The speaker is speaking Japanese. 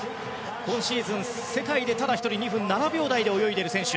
今シーズン世界でただ１人２分７秒台で泳いでいる選手。